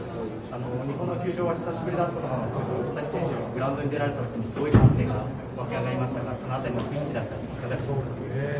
日本の球場は久しぶりだったと思いますが大谷選手がグラウンドに出られた時にすごい歓声が沸き上がりましたがその辺りはいかがですか？